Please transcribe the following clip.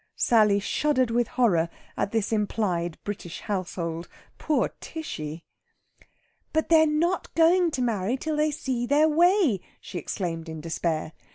Sally shuddered with horror at this implied British household. Poor Tishy! "But they're not going to marry till they see their way," she exclaimed in despair.